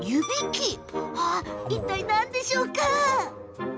いったい何でしょう？